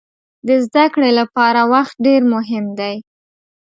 د زده کړې لپاره وخت ډېر مهم دی.